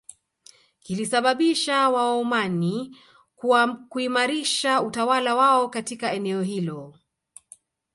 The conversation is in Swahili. Kulisababisha Waomani kuimarisha utawala wao katika eneo hilo